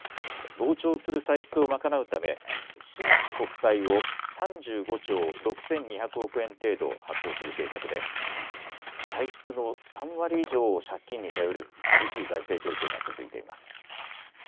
膨張する歳出を賄うため新規国債を３５兆６２００億円程度発行する計画で歳出の３割以上を借金に頼る厳しい財政状況が続いています。